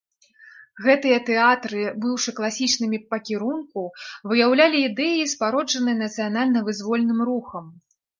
Гэтыя тэатры, быўшы класічнымі пра кірунку, выяўлялі ідэі, спароджаныя нацыянальна-вызвольным рухам.